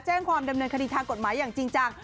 แจ้งความดำเนินคดีทางกฎหมายอย่างจริงจัง